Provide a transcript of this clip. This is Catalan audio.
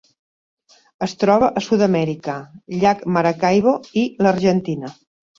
Es troba a Sud-amèrica: llac Maracaibo i l'Argentina.